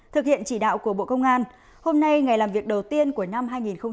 thực hiện chỉ đạo của bộ công an hôm nay ngày làm việc đầu tiên của năm hai nghìn hai mươi ba